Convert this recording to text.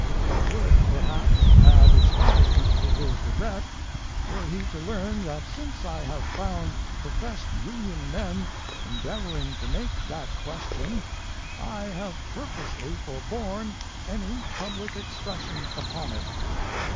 It would perhaps, add astonishment to his regret, were he to learn that since I have found professed Union men endeavoring to make that question, I have purposely forborne any public expression upon it.